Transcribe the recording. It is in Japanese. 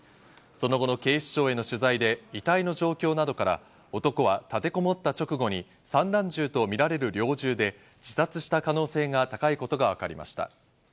その後の警視庁への取材で遺体の状況などから男が立てこもった直後に散弾銃とみられる猟銃で自殺した可能性が高いことがわかりました。